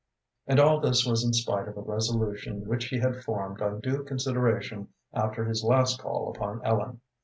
And all this was in spite of a resolution which he had formed on due consideration after his last call upon Ellen.